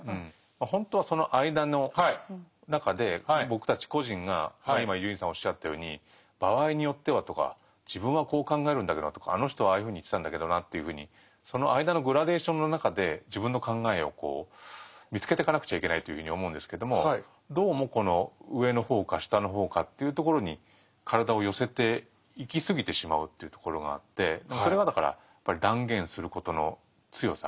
ほんとはその間の中で僕たち個人が今伊集院さんおっしゃったように「場合によっては」とか「自分はこう考えるんだけどな」とか「あの人はああいうふうに言ってたんだけどな」というふうにその間のグラデーションの中で自分の考えを見つけてかなくちゃいけないというふうに思うんですけどもどうもこの上の方か下の方かというところにそれはだからやっぱり断言することの強さ。